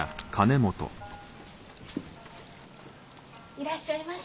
いらっしゃいまし。